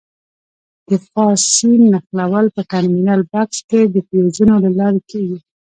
د فاز سیم نښلول په ټرمینل بکس کې د فیوزونو له لارې کېږي.